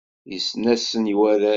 Yessen-asen i warrac.